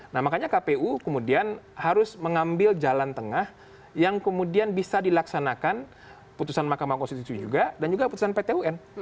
nah makanya kpu kemudian harus mengambil jalan tengah yang kemudian bisa dilaksanakan putusan mahkamah konstitusi juga dan juga putusan pt un